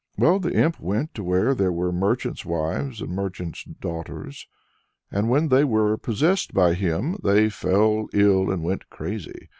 Well, the imp went to where there were merchant's wives and merchant's daughters; and when they were possessed by him, they fell ill and went crazy.